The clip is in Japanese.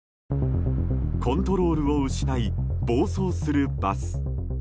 コントロールを失い暴走するバス。